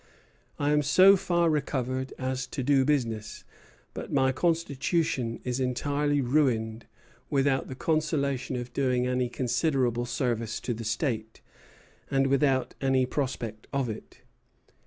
I am so far recovered as to do business; but my constitution is entirely ruined, without the consolation of doing any considerable service to the state, and without any prospect of it."